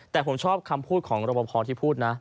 แต่ผมชอบคำพูดของรบพอที่พูดนะ